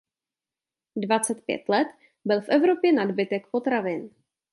Dvacet pět let byl v Evropě nadbytek potravin.